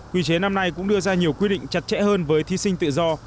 quy chế năm nay cũng đưa ra nhiều quy định chặt chẽ hơn với thí sinh tự do